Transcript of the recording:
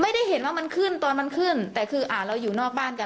ไม่ได้เห็นว่ามันขึ้นตอนมันขึ้นแต่คืออ่าเราอยู่นอกบ้านกัน